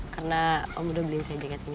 karena om udah beliin saya jaket ini